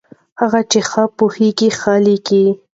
هغه چې ښه پوهېږي، ښه لیکي.